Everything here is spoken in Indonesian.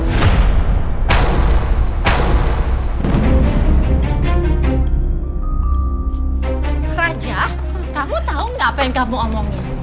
tante sofia kamu tahu gak apa yang kamu omongin